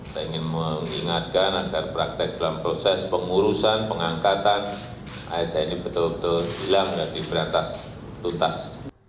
saya ingin mengingatkan agar praktek dalam proses pengurusan pengangkatan asn ini betul betul hilang dan diberantas tuntas